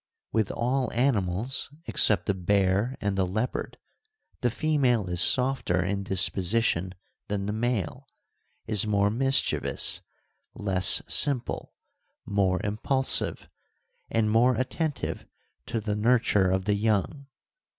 With all animals, except the bear and the leopard, the female is softer in disposition than the male, is more mischievous, less simple, more impulsive, and more attentive to the nurture of the young.